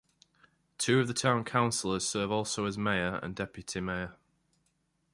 Two of the town councillors serve also as mayor and deputy mayor.